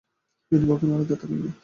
তিনি কখনোই আলাদা থাকেননি।